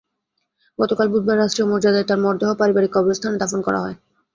গতকাল বুধবার রাষ্ট্রীয় মর্যাদায় তাঁর মরদেহ পারিবারিক কবরস্থানে দাফন করা হয়।